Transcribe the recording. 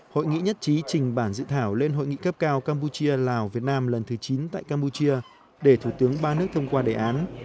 hội nghị nhất trí trình bản dự thảo lên hội nghị cấp cao campuchia lào việt nam lần thứ chín tại campuchia để thủ tướng ba nước thông qua đề án